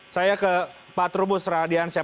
saya ke pak trubus radiansyah